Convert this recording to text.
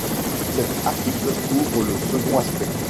Cet article couvre le second aspect.